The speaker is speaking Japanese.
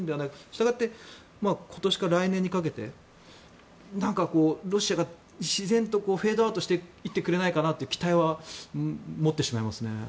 したがって今年から来年にかけてロシアが自然とフェードアウトしていってくれないかなという期待は持ってしまいますね。